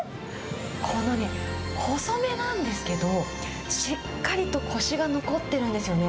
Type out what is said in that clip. このね、細めなんですけど、しっかりとこしが残ってるんですよね。